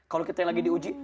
kalau kita lagi diuji